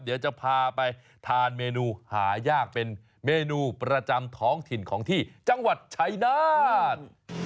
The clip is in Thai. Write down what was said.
เดี๋ยวจะพาไปทานเมนูหายากเป็นเมนูประจำท้องถิ่นของที่จังหวัดชายนาฏ